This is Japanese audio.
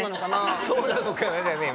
「そうなのかなぁ」じゃねえ。